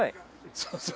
そうそう。